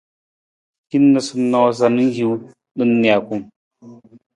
Hin noosanoosa na hiwung na nijakung.